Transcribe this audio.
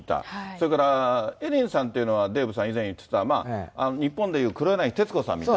それからエレンさんという、デーブさん以前言ってた、まあ、日本でいう、黒柳徹子さんみたい